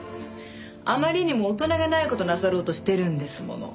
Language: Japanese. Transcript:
あまりにも大人げない事なさろうとしてるんですもの。